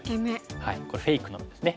これフェイクの目ですね